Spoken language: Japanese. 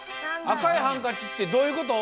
赤いハンカチってどういうこと？